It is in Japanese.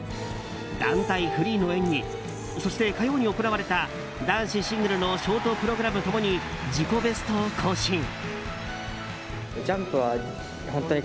団体フリーの演技そして火曜に行われた男子シングルのショートプログラム共に自己ベストを更新。